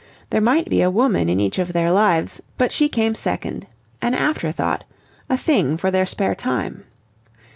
There might be a woman in each of their lives, but she came second an afterthought a thing for their spare time.